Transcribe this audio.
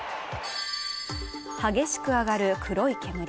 激しく上がる黒い煙。